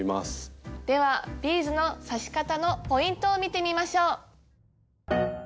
ではビーズの刺し方のポイントを見てみましょう。